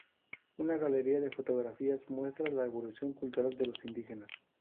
Una galería de fotografías, muestra la evolución cultural de los indígenas.